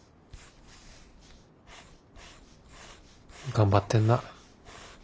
頑張ってんな。